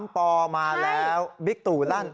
๓ปมาแล้วบิ๊กตุลั่น